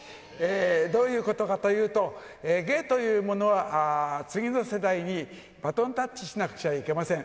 どういうことかというと、芸というものは次の世代にバトンタッチしなくちゃいけません。